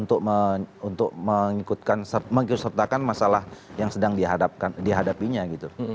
untuk mengikutkan mengikutsertakan masalah yang sedang dihadapinya gitu